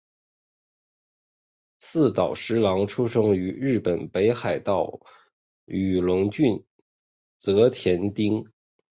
寺岛实郎出生于日本北海道雨龙郡沼田町。